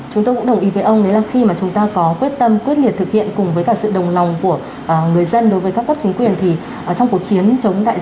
chúng tôi cũng đồng ý với ông khi mà chúng ta có quyết tâm quyết liệt thực hiện cùng với sự đồng lòng của người dân đối với các cấp chính quyền thì trong cuộc chiến chống đại dân